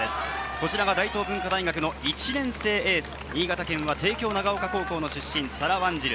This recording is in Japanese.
こちらが大東文化大学の１年生エース、新潟県は帝京長岡高校の出身、サラ・ワンジル。